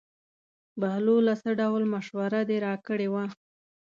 بهلوله څه ډول مشوره دې راکړې وه.